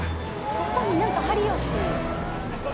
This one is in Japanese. そこになんか貼りよし。